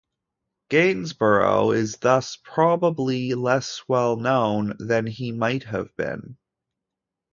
Gainsborough is thus probably less well-known than he might have been.